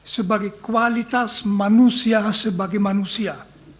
sebagai kualitas manusia sebagai manusia